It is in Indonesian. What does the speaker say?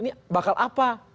ini bakal apa